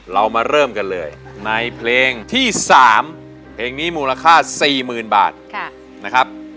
เรามาเริ่มกันเลยในเพลงที่๓เพลงนี้มูลค่า๔๐๐๐บาทนะครับ